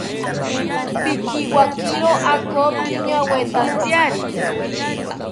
Pikiwakiro ako piñawetantyari